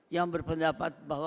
yang berpendapat bahwa